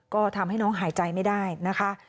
ก็ทำให้น้องหายใจไม่ได้นะคะ